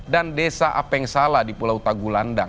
dan desa apeng sala di pulau tagu landang